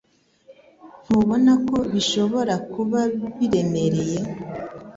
Ntubona ko bishobora kuba biremereye